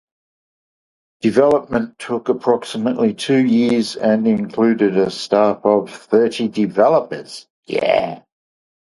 Development took approximately two years, and included a staff of thirty developers.